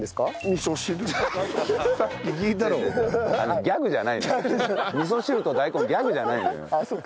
味噌汁と大根ギャグじゃないのよ。